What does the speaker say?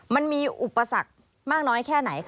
มันมีอุปสรรคมากน้อยแค่ไหนคะ